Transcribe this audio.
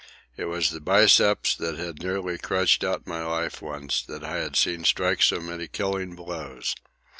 It was the biceps that had nearly crushed out my life once, that I had seen strike so many killing blows.